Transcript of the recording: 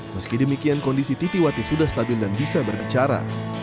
meski demikian kondisi titiwati sudah stabil dan bisa berbicara